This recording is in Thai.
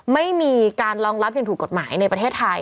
ไม่มีการรองรับอย่างถูกกฎหมายในประเทศไทย